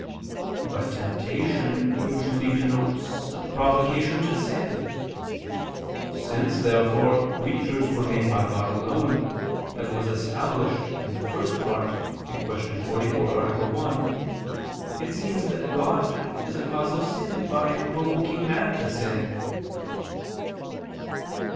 But a temptation usually denotes a provocation to sin. Since therefore creatures were made by God alone, as was established in the First Part (Q. 44, A. 1), it seems that God is a cause of sin, by provoking man to sin.